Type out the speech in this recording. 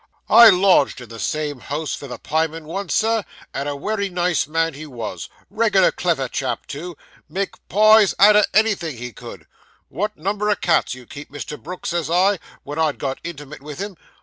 'I lodged in the same house vith a pieman once, sir, and a wery nice man he was reg'lar clever chap, too make pies out o' anything, he could. "What a number o' cats you keep, Mr. Brooks," says I, when I'd got intimate with him.